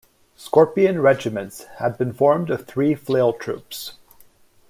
Scorpion regiments had been formed of three flail troops.